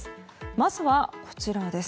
まずは、こちらです。